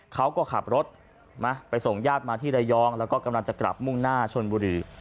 เขาก็ขับรถไปส่งญาติมาที่ระยองแล้วก็กำลังจะกลับมุ่งหน้าชนบุรี